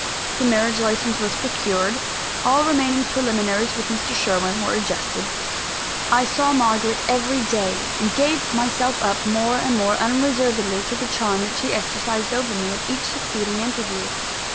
The marriage license was procured; all remaining preliminaries with Mr. Sherwin were adjusted; I saw Margaret every day, and gave myself up more and more unreservedly to the charm that she exercised over me, at each succeeding interview.